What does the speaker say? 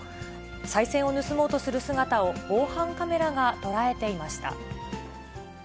さい銭を盗もうとする姿を防犯カメラが捉えていました。